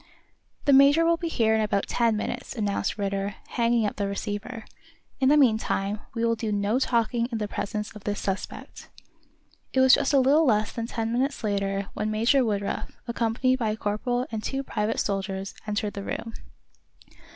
"The major will be here in about ten minutes," announced Ridder, hanging up the receiver. "In the meantime we will do no talking in the presence of this suspect." It was just a little less than ten minutes later when Major Woodruff, accompanied by a corporal and two private soldiers, entered the room.